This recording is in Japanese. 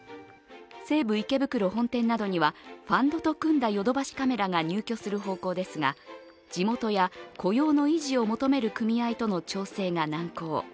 西武池袋本店などにはファンドと組んだヨドバシカメラが入居する方向ですが地元や雇用の維持を求める組合との調整が難航。